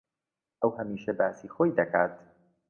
ئەو ھەمیشە باسی خۆی دەکات.